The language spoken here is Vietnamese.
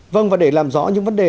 vâng và để làm rõ những vấn đề